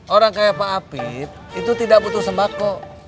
orang kayak pak apip itu tidak butuh sembako